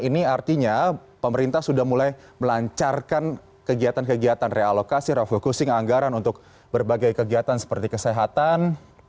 ini artinya pemerintah sudah mulai melancarkan kegiatan kegiatan realokasi refocusing anggaran untuk berbagai kegiatan seperti kesehatan